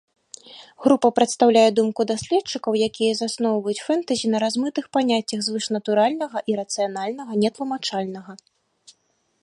Група прадстаўляе думку даследчыкаў, якія засноўваюць фэнтэзі на размытых паняццях звышнатуральнага, ірацыянальнага, нетлумачальнага.